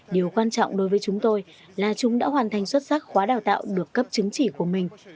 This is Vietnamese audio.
điều quan trọng đối với chúng tôi là chúng đã hoàn thành xuất sắc khóa đào tạo được cấp chứng chỉ của mình